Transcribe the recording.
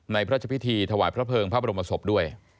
ในพระพิธีถวายพระเพิงพระบรมศพด้วย